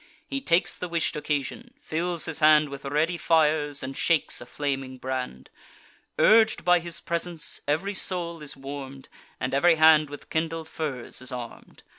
He takes the wish'd occasion, fills his hand With ready fires, and shakes a flaming brand. Urg'd by his presence, ev'ry soul is warm'd, And ev'ry hand with kindled fires is arm'd.